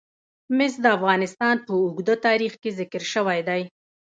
مس د افغانستان په اوږده تاریخ کې ذکر شوی دی.